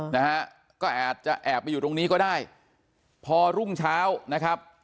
นะฮะก็อาจจะแอบไปอยู่ตรงนี้ก็ได้พอรุ่งเช้านะครับ